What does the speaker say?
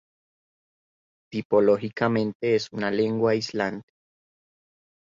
Tipológicamente es una lengua aislante.